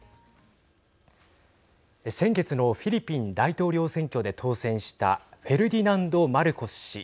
先月のフィリピン大統領選挙で当選したフェルディナンド・マルコス氏。